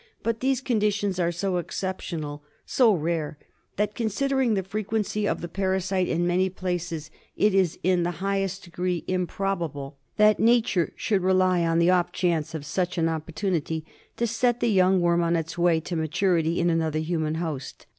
But these conditions are so exceptional, so rare, that, considering the frequency of the parasite in many places, it is in the highest degree im probable that nature should rely on the off chance of such an oppor tunity to set the young worm on its way to ma turity in another human host.